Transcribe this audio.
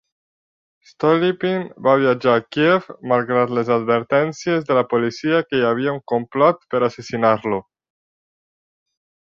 Stolypin va viatjar a Kíev malgrat les advertències de la policia que hi havia un complot per assassinar-lo.